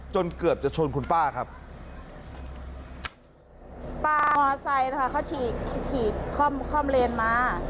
จนเกือบจะชนคุณป้าครับ